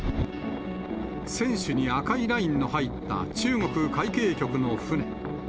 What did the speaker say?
船首に赤いラインの入った中国海警局の船。